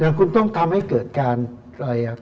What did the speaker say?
คุณต้องทำให้เกิดการอะไรอ่ะ